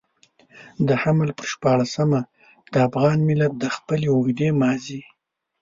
د حمل پر شپاړلسمه افغان ملت د خپلې اوږدې ماضي.